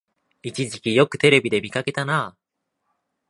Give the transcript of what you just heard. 一時期よくテレビで見かけたなあ